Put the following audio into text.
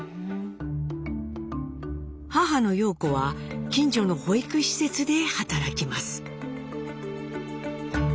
母の様子は近所の保育施設で働きます。